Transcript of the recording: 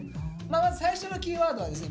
まず最初のキーワードはですね